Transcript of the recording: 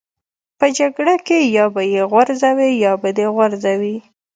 په جګړه کې یا به یې غورځوې یا به دې غورځوي